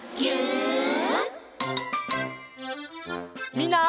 みんな。